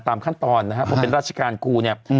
ตามขั้นตอนนะครับเพราะเป็นราชการครูเนี่ย